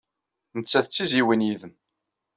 Nettat d tizzyiwin yid-m.